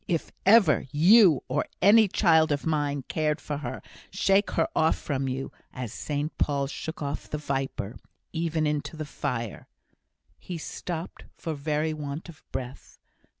If ever you, or any child of mine, cared for her, shake her off from you, as St Paul shook off the viper even into the fire." He stopped for very want of breath.